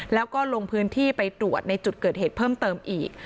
แล้วก็ลงพื้นที่ไปตรวจในจุดเกิดเหตุเพิ่มเติมอีก